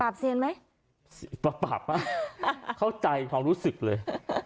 ปรับเข้าใจของรู้สึกเลย